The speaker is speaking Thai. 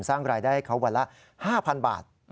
สร้างรายได้ให้เขาวันละ๕๐๐๐บาท